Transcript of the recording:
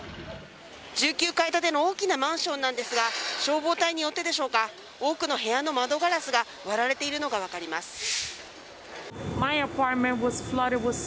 １９階建ての大きなマンションなんですが、消防隊によってでしょうか、多くの部屋の窓ガラスが割られているのが分かります。